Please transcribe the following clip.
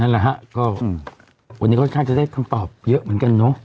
นั่นแหละฮะก็วันนี้ค่อนข้างจะได้คำตอบเยอะเหมือนกันเนอะ